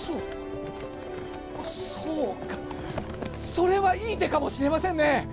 そうかそれはいい手かもしれませんね